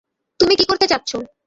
তুমি কি করতে চাচ্ছ?